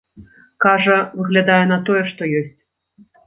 Кажа, выглядае на тое, што ёсць.